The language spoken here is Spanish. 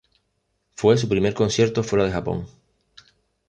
Fue su primer concierto fuera de Japón.